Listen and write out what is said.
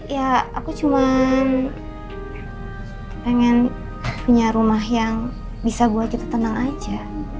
ya aku cuma pengen punya rumah yang bisa gue aja tertenang aja